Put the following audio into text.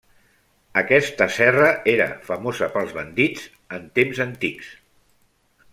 Aquesta serra era famosa pels bandits en temps antics.